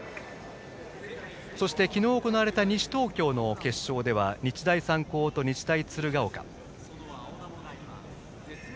そして、昨日行われた西東京の決勝では日大三高と日大鶴ヶ丘。